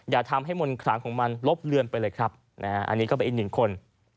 อย่าทำให้มนตร์ของมันลบลื่นไปเลยครับอนี้ก็เป็นอินคน